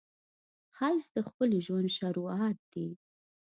ښایست د ښکلي ژوند شروعات دی